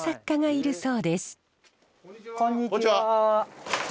こんにちは。